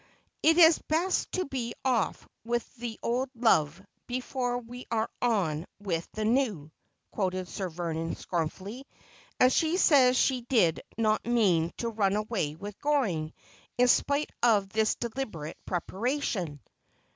' It is best to be ofE with the old love before we are on with the new,' quoted Sir Vernon scornfully ;' and she says she did not mean to run away with Goring, in spite of this deliberate preparation.'